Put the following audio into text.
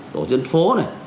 tổ chức phố